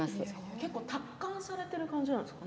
結構、達観されている感じですか。